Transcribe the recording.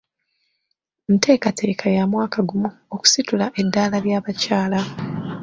Nteekateeka ya mwaka gumu okusitula eddaala ly'abakyala.